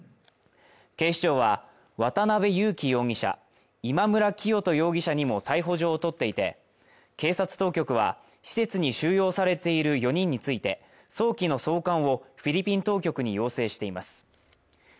警視庁は渡辺優樹容疑者今村磨人容疑者にも逮捕状を取っていて警察当局は施設に収容されている４人について早期の送還をフィリピン当局に要請しています